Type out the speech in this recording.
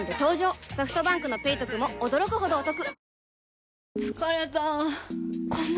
ソフトバンクの「ペイトク」も驚くほどおトク